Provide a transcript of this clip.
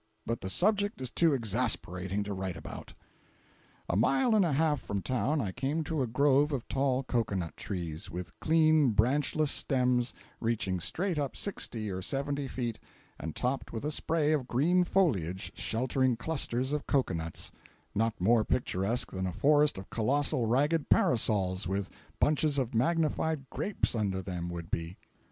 But the subject is too exasperating to write about. A mile and a half from town, I came to a grove of tall cocoanut trees, with clean, branchless stems reaching straight up sixty or seventy feet and topped with a spray of green foliage sheltering clusters of cocoa nuts—not more picturesque than a forest of collossal ragged parasols, with bunches of magnified grapes under them, would be.